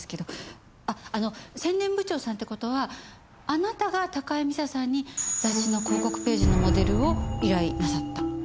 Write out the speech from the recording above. あっあの宣伝部長さんって事はあなたが高井美佐さんに雑誌の広告ページのモデルを依頼なさった？